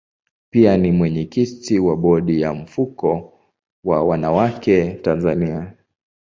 Pia ni mwenyekiti wa bodi ya mfuko wa wanawake Tanzania.